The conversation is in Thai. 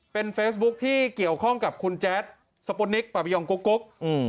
เป็นเฟซบุ๊คที่เกี่ยวข้องกับคุณแจ๊ดสปนิกปิยองกุ๊ก